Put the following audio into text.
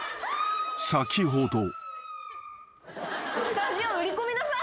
［先ほど］